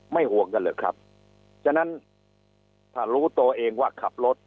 ห่วงกันเหรอครับฉะนั้นถ้ารู้ตัวเองว่าขับรถ